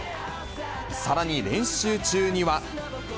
さらに練習中には。